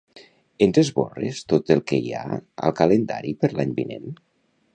Ens esborres tot el que hi ha al calendari per l'any vinent?